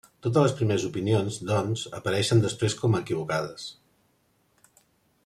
Totes les primeres opinions, doncs, apareixen després com a equivocades.